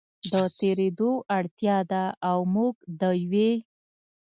د تېرېدو اړتیا ده او موږ د یوې